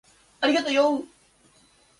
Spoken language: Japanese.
ありがとよ。